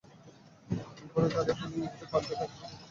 ঘুরে দাঁড়িয়ে তিনিও দিয়েছেন পাল্টা ধাক্কা, ভিডিও ফুটেজে এমনটাই দেখা গেছে।